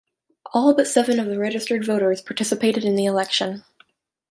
All but seven of the registered voters participated in the election.